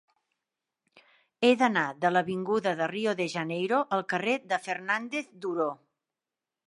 He d'anar de l'avinguda de Rio de Janeiro al carrer de Fernández Duró.